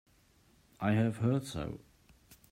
I have heard so.